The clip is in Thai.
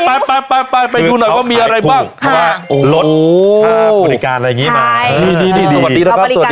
ไปไปไปไปไปไปดูหน่อยก็มีอะไรบ้างคือต้องขายพูดอ๋อครับโว้ววรถ